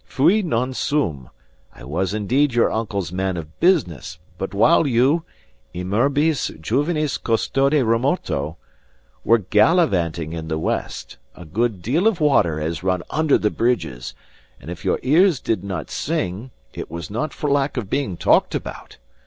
Fui, non sum. I was indeed your uncle's man of business; but while you (imberbis juvenis custode remoto) were gallivanting in the west, a good deal of water has run under the bridges; and if your ears did not sing, it was not for lack of being talked about.